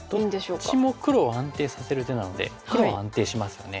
どっちも黒を安定させる手なので黒は安定しますよね。